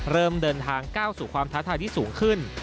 เริ่มเดินทางก้าวสู่ความท้าทายที่สูงขึ้น